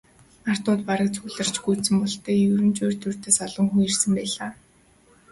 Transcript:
Ардууд бараг цугларч гүйцсэн бололтой, ер нь ч урьд урьдаас олон хүн ирсэн байлаа.